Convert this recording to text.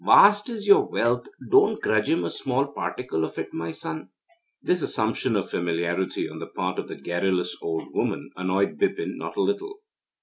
Vast is your wealth don't grudge him a small particle of it, my son.' This assumption of familiarity on the part of the garrulous old woman annoyed Bipin not a little.